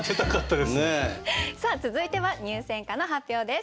さあ続いては入選歌の発表です。